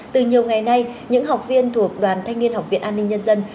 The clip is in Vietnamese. từ nhiều ngày nay những học viên thuộc đoàn thanh niên học viện an ninh nhân dân